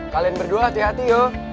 kalian berdua hati hati loh